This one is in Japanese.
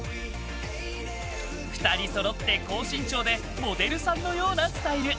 ２人そろって高身長でモデルさんのようなスタイル。